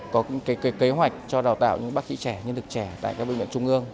có kế hoạch cho đào tạo những bác sĩ trẻ nhân lực trẻ tại các bệnh viện trung ương